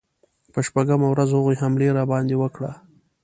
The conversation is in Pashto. په شپږمه ورځ هغوی حمله راباندې وکړه.